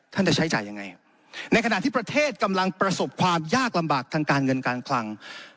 จะใช้จ่ายยังไงในขณะที่ประเทศกำลังประสบความยากลำบากทางการเงินการคลัง